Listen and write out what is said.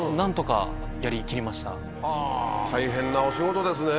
はぁ大変なお仕事ですね。